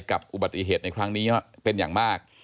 กับอุบัติเหตุในครั้งนี้เป็นอย่างมาก